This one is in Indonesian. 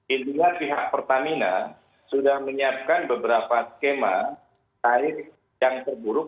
intinya pihak pertamina sudah menyiapkan beberapa skema tarif yang terburuk